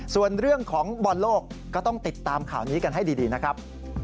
ส่วนเรื่องของบอลโลกก็ต้องติดตามข่าวนี้กันให้ดีนะครับ